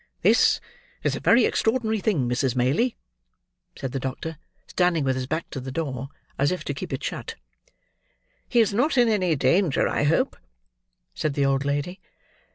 "This is a very extraordinary thing, Mrs. Maylie," said the doctor, standing with his back to the door, as if to keep it shut. "He is not in danger, I hope?" said the old lady.